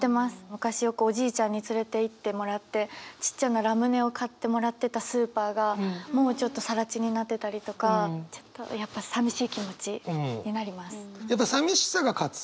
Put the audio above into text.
昔よくおじいちゃんに連れていってもらってちっちゃなラムネを買ってもらってたスーパーがもうちょっとさら地になってたりとかちょっとやっぱやっぱさみしさが勝つ？